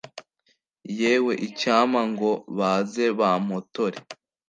yewe icyampa ngo baze bampotore